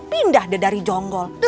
pindah deh dari jonggo